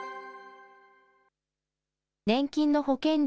年金の保険料